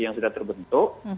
yang sudah terbentuk